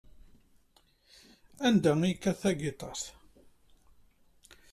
Anda ay kkateɣ tagiṭart?